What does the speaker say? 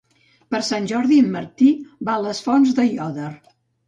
Per Sant Jordi en Martí va a les Fonts d'Aiòder.